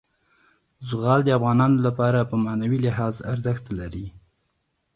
زغال د افغانانو لپاره په معنوي لحاظ ارزښت لري.